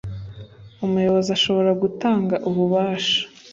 umuyobozi ashobora gutanga ububasha